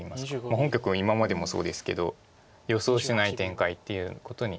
本局も今までもそうですけど予想しない展開っていうことに。